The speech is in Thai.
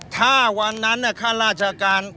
ถ้าวันนั้นข้าราชการ